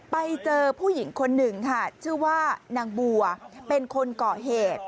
ไปเจอผู้หญิงคนหนึ่งค่ะชื่อว่านางบัวเป็นคนก่อเหตุ